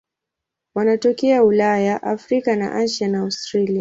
Wanatokea Ulaya, Afrika, Asia na Australia.